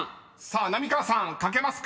［浪川さん書けますか？］